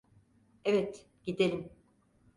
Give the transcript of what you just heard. Evet, gidelim.